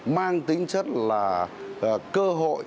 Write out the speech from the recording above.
mang tính chất là cơ hội